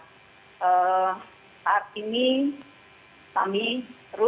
dan saya berharap ini kami terus